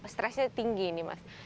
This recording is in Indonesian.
stresnya tinggi ini mas